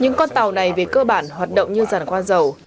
những con tàu này về cơ bản hoạt động như giàn qua dầu